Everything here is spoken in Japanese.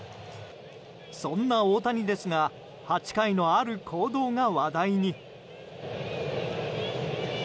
そんな大谷ですが８回のある行動が話題に。